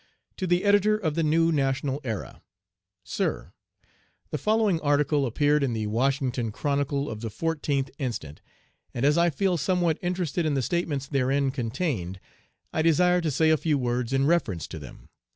To the Editor of the New National Era: "SIR: The following article appeared in the Washington Chronicle of the 14th inst., and as I feel somewhat interested in the statements therein contained, I desire to say a few words in reference to them.